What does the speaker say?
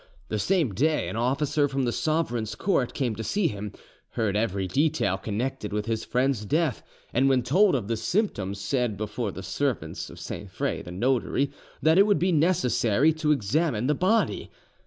The same day an officer from the sovereign's court came to see him, heard every detail connected with his friend's death, and when told of the symptoms said before the servants to Sainfray the notary that it would be necessary to examine the body.